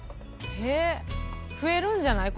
へえ増えるんじゃない？